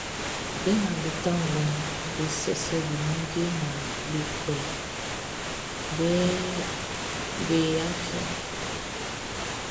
Be nga be tran lɔʼn, be cɛcɛ be ninnge nga be kpɛ beʼn be afiɛn.